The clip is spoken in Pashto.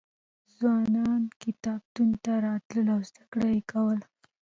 ځوانان کتابتون ته راتلل او زده کړه یې کوله.